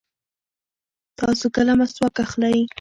تاسو کله مسواک اخلئ؟